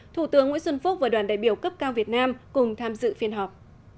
thủ tướng nguyễn xuân phúc và đoàn đại biểu cấp cao việt nam cùng tham dự phiên họp